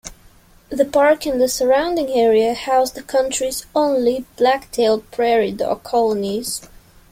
The park and surrounding area house the country's only black-tailed prairie dog colonies.